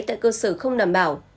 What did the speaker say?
tại cơ sở không đảm bảo